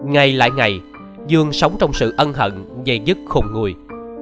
ngày lại ngày dương sống trong sự ân hận dày dứt khùng ngùi